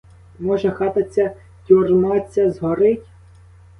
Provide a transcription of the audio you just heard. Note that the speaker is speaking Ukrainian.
Може, хата ця, тюрма ця, згорить?